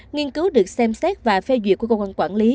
nghiên cứu được xem xét và phê duyệt của công an quản lý